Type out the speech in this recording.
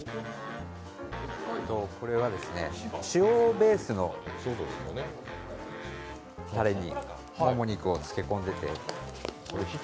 これは塩ベースのたれにもも肉を漬け込んでいて。